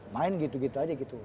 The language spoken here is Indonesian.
main gitu gitu aja gitu